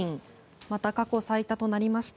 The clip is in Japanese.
また過去最多となりました。